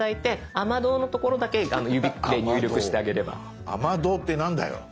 雨どうって何だよ。